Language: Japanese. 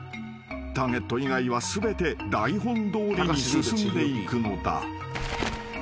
［ターゲット以外は全て台本どおりに進んでいくのだ］